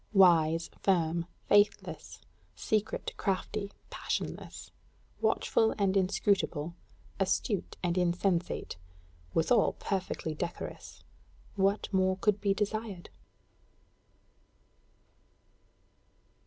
Wise, firm, faithless, secret, crafty, passionless; watchful and inscrutable; acute and insensate withal perfectly decorous what more could be desired?